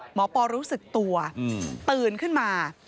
ปอรู้สึกตัวตื่นขึ้นมา